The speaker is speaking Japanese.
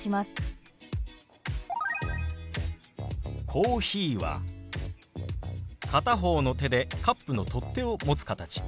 「コーヒー」は片方の手でカップの取っ手を持つ形。